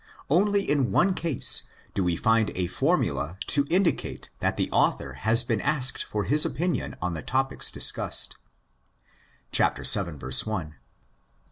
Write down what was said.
Only in one case do we find a formula to indicate that the author has been asked for his opinion on the topics discussed (περὶ δὲ ὧν ἐγράψατε, vil.